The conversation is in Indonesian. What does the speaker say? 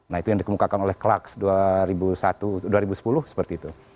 nah itu yang dikemukakan oleh klaks dua ribu sepuluh seperti itu